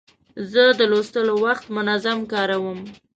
زه د لوستلو وخت منظم کاروم.